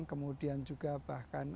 kemudian juga bahkan ada menengah